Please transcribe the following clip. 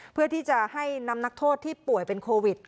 เพื่อที่จะให้นำนักโทษที่ป่วยเป็นโควิด